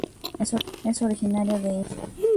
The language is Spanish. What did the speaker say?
Es originario de India.